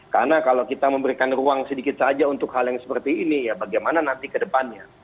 karena kalau kita memberikan ruang sedikit saja untuk hal yang seperti ini ya bagaimana nanti kedepannya